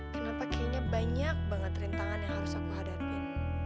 kenapa kayaknya banyak banget rintangan yang harus aku hadapin